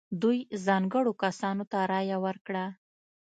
دوی ځانګړو کسانو ته رایه ورکړه.